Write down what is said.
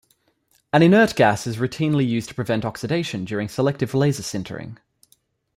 An inert gas is routinely used to prevent oxidation during selective laser sintering.